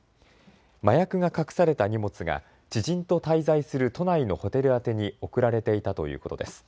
麻薬が隠された荷物が知人と滞在する都内のホテル宛てに送られていたということです。